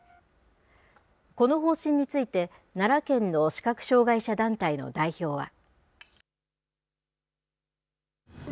この方針について、奈良県の視覚障害者団体の代表は。